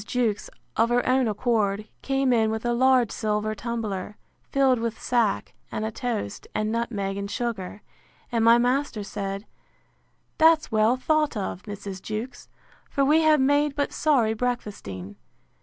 Jewkes, of her own accord, came in with a large silver tumbler, filled with sack, and a toast, and nutmeg, and sugar; and my master said, That's well thought of, Mrs. Jewkes; for we have made but sorry breakfasting.